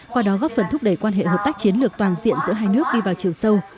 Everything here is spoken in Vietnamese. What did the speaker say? qua đó góp phần thúc đẩy quan hệ hợp tác chiến lược toàn diện giữa hai nước đi vào chiều sâu